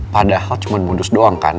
padahal cuman mudus doang kan